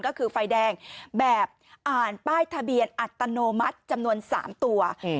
ก็คือไฟแดงแบบอ่านป้ายทะเบียนอัตโนมัติจำนวน๓ตัว